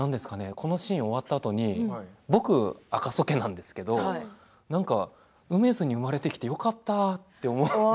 このシーン終わったあとに僕、赤楚家なんですけど梅津に生まれてきてよかったって。